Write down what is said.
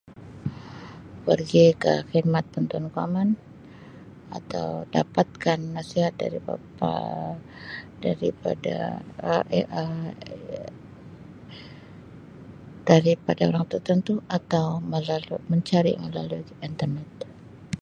Pergi ke khidmat bantuan guaman atau dapatkan nasihat daripada-daripada Um daripada orang tertentu atau melalu-mencari melalui internet.